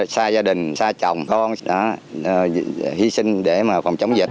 xa gia đình xa chồng con đã hy sinh để mà phòng chống dịch